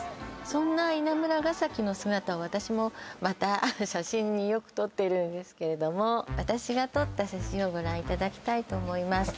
そんな稲村ヶ崎の姿を私もまた写真によく撮っているんですけれども私が撮った写真をご覧いただきたいと思います